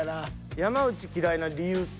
山内嫌いな理由って。